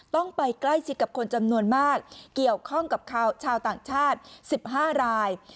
ต้องไปใกล้ชิดกับคนจำนวนมากเกี่ยวข้องกับชาวต่างชาติ๑๕ราย